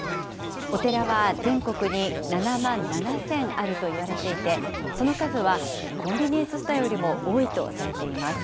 お寺は全国に７万７０００あるといわれていて、その数はコンビニエンスストアよりも多いとされています。